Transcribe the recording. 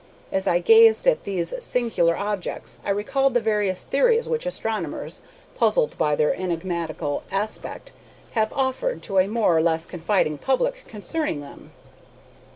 As I gazed at these singular objects I recalled the various theories which astronomers, puzzled by their enigmatical aspect, have offered to a more or less confiding public concerning them.